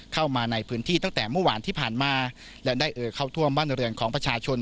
เข้ามาในพื้นที่ตั้งแต่เมื่อวานที่ผ่านมาและได้เอ่อเข้าท่วมบ้านเรือนของประชาชน